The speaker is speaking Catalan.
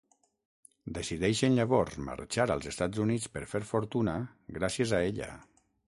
Decideixen llavors marxar als Estats Units per fer fortuna gràcies a ella.